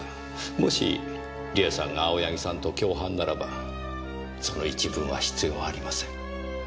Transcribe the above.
もし梨絵さんが青柳さんと共犯ならばその一文は必要ありません。